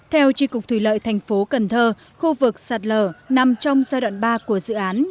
theo tri cục thủy lợi thành phố cần thơ khu vực sạt lở nằm trong giai đoạn ba của dự án